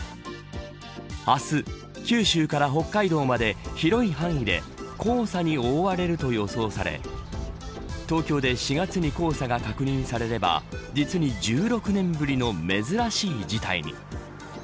明日、九州から北海道まで広い範囲で黄砂に覆われると予想され東京で４月に黄砂が確認されれば実に１６年ぶりの珍しい事態に。